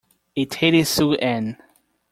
Aetatis sue ann.